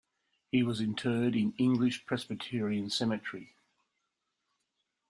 He was interred in English Presbyterian Cemetery.